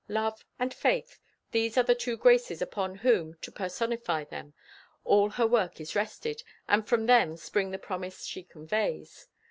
Love and Faith—these are the two Graces upon whom, to personify them, all her work is rested, and from them spring the promise she conveys.